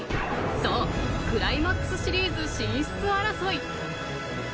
そう、クライマックスシリーズ進出争い。